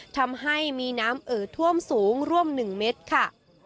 ทำให้มีน้ำเอ่อท่วมสูงร่วม๑เมตรค่ะ